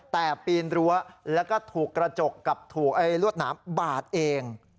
แต่ปีนรั้วแล้วก็ถูกกระจกกับถูกลวดหนามบาดเอง